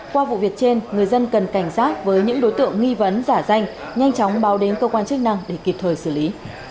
qua vụ việc trên người dân cần cảnh giác với những đối tượng nghi vấn giả danh nhanh chóng báo đến cơ quan chức năng để kịp thời xử lý